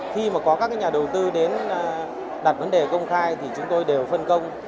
khi có các nhà đầu tư đặt vấn đề công khai chúng tôi đều phân công